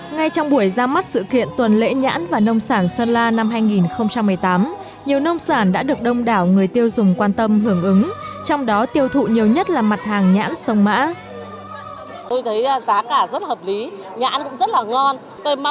ngay trong buổi ra mắt sự kiện tuần lễ nhãn và nông sản sơn la năm hai nghìn một mươi tám nhiều nông sản đã được đông đảo người tiêu dùng quan tâm hưởng ứng trong đó tiêu thụ nhiều nhất là mặt hàng nhãn sông mã